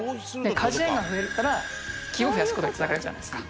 果樹園が増えたら木を増やす事に繋がるじゃないですか。